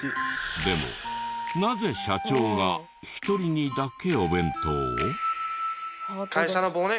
でもなぜ社長が１人にだけお弁当を？